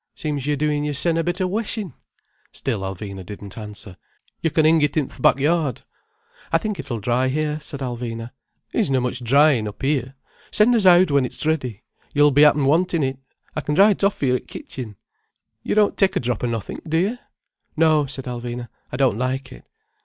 "Seems yer doin' yersen a bit o' weshin'." Still Alvina didn't answer. "Yo' can 'ing it i' th' back yard." "I think it'll dry here," said Alvina. "Isna much dryin' up here. Send us howd when 't's ready. Yo'll 'appen be wantin' it. I can dry it off for yer i' t' kitchen. You don't take a drop o' nothink, do yer?" "No," said Alvina. "I don't like it."